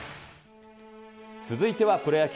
続いてはプロ野球。